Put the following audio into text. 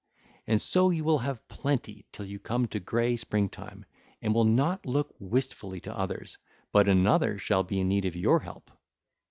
And so you will have plenty till you come to grey 1318 springtime, and will not look wistfully to others, but another shall be in need of your help.